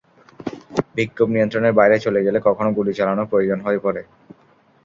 বিক্ষোভ নিয়ন্ত্রণের বাইরে চলে গেলে কখনো গুলি চালানো প্রয়োজন হয়ে পড়ে।